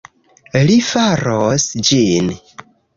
Li faros ĝin